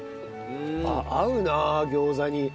合うな餃子に。